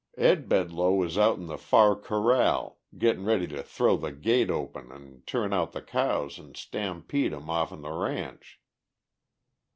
Ed Bedloe was out in the far corral, gettin' ready to throw the gate open an' turn out the cows an' stampede 'em off'n the ranch.